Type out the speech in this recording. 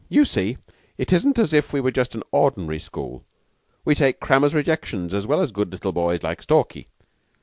You see, it isn't as if we were just an ordinary school. We take crammers' rejections as well as good little boys like Stalky.